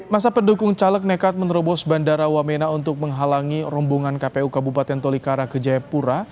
masa pendukung caleg nekat menerobos bandara wamena untuk menghalangi rombongan kpu kabupaten tolikara ke jayapura